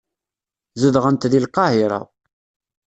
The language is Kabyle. Zedɣent deg Lqahira.